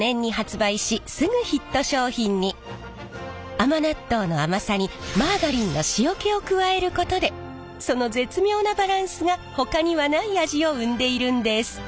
甘納豆の甘さにマーガリンの塩気を加えることでその絶妙なバランスがほかにはない味を生んでいるんです。